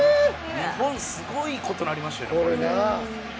日本、すごいことになりましたよ。